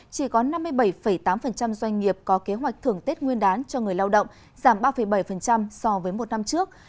chỉ có năm mươi bảy tám doanh nghiệp có kế hoạch thưởng tết nguyên đán cho người lao động giảm ba bảy so với một năm trước